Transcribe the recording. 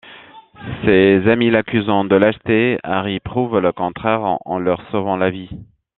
Ses amis l'accusant de lâcheté, Harry prouve le contraire en leur sauvant la vie...